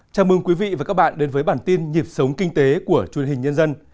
chào mừng quý vị và các bạn đến với bản tin nhịp sống kinh tế của truyền hình nhân dân